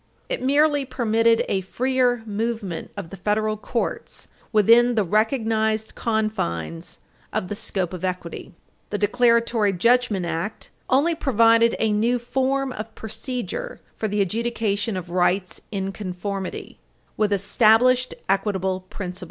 It merely permitted a freer movement of the federal courts within the recognized confines of the scope of equity. The Declaratory Judgment Act "only provided a new form of procedure for the adjudication of rights in conformity" with "established equitable principles."